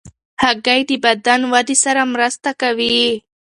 هګۍ د بدن ودې سره مرسته کوي.